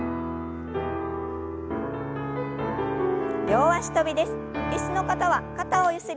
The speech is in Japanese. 両脚跳びです。